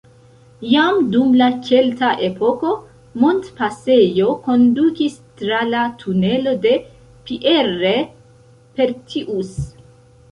Jam dum la kelta epoko montpasejo kondukis tra la tunelo de Pierre-Pertius.